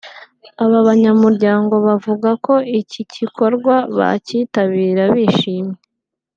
Aba banyamuryango bavuga ko iki gikorwa bakitabira bishimye